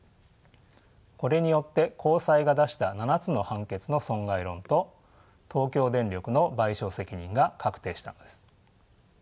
これによって高裁が出した７つの判決の損害論と東京電力の賠償責任が確定したのです。